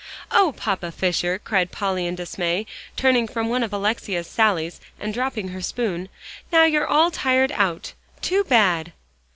"Oh, Papa Fisher!" cried Polly in dismay, turning from one of Alexia's sallies, and dropping her spoon. "Now you're all tired out too bad!"